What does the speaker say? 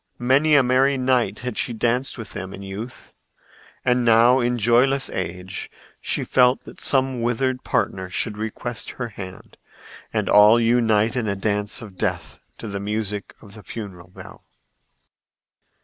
Many a merry night had she danced with them in youth, and now in joyless age she felt that some withered partner should request her hand and all unite in a dance of death to the music of the funeral bell.